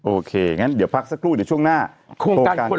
โอเคงั้นเดี๋ยวพักสักครู่เดี๋ยวช่วงหน้าโฌคภูมิการคนละครึ่ง